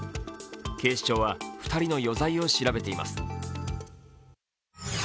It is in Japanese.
警視庁は２人の余罪を調べています